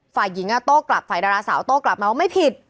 ฝ่ายหญิงโต้กลับฝ่ายดาราสาวโต้กลับมาว่าไม่ผิด